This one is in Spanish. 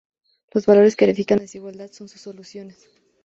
Los valores que verifican la desigualdad son sus soluciones.